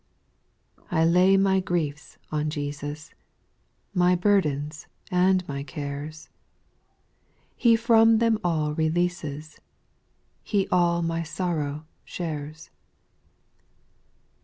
^ I lay my griefs on Jesus, My burdens and my cares ; He from them all releases, He all my sorrow skaiea. 22 SPIRITUAL SONGS.